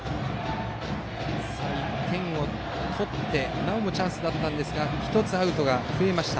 １点を取ってなおもチャンスでしたが１つ、アウトが増えました。